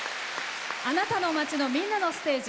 あなたの街の、みんなのステージ。